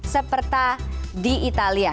seperti di italia